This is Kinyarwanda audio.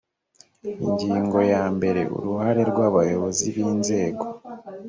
ingingo ya mbere uruhare rw abayobozi b inzego